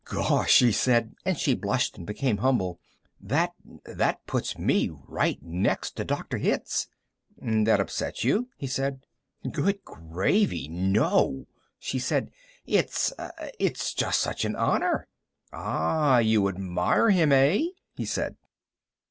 "Gosh " she said, and she blushed and became humble "that that puts me right next to Dr. Hitz." "That upsets you?" he said. "Good gravy, no!" she said. "It's it's just such an honor." "Ah, You... you admire him, eh?" he said.